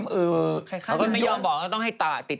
แล้วก็ไม่ยอมบอกแล้วต้องให้ต่างยังไง